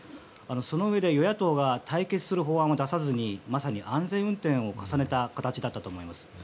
そのうえで与野党は対決する法案は出さずにまさに安全運転を重ねた形だったと思います。